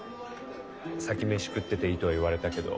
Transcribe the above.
「先飯食ってていい」とは言われたけど。